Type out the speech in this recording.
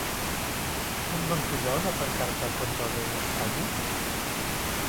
On van posar una pancarta contra el rei d'Espanya?